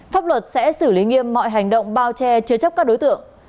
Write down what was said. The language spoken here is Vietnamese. pháp luật sẽ xử lý nghiêm mọi hành động bao che chứa chấp các đối tượng